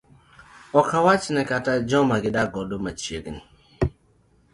ok awachni kata mana joma gidak godo machiegni